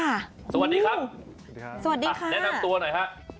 สวัสดีครับสวัสดีค่ะแนะนำตัวหน่อยค่ะ